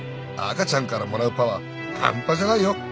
「赤ちゃんからもらうパワーハンパじゃないよ。